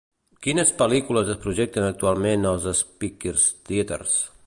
Quines pel·lícules es projecten actualment als Speakeasy Theaters